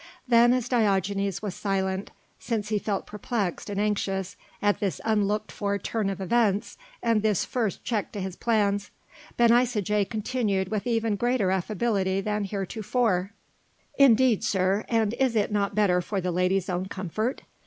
Then as Diogenes was silent since he felt perplexed and anxious at this unlooked for turn of events and this first check to his plans Ben Isaje continued with even greater affability than heretofore: "Indeed, sir, and is it not better for the lady's own comfort?